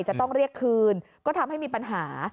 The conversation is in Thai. จะต้องเรียกคืนก็ทำให้มีปัญหา